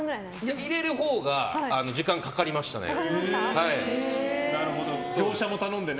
入れるほうが時間がかかりましたね。